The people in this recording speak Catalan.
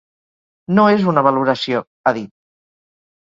“No és una valoració”, ha dit.